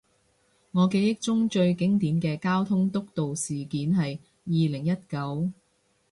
我記憶中最經典嘅交通督導事件係二零一九